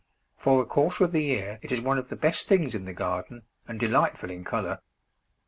For a quarter of the year it is one of the best things in the garden, and delightful in colour.